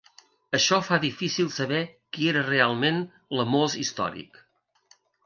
Això fa difícil saber qui era realment l'Amós històric.